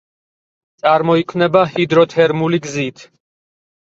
წარმოიქმნება ჰიდროთერმული გზით.